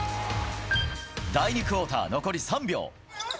第２クオーター、残り３秒。